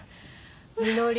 みのり。